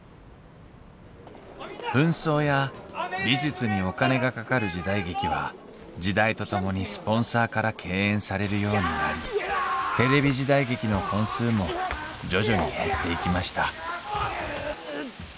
扮装や美術にお金がかかる時代劇は時代とともにスポンサーから敬遠されるようになりテレビ時代劇の本数も徐々に減っていきましたうっくっ。